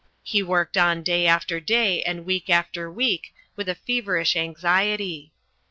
He worked on day after day and week after week, with a feverish anxiety.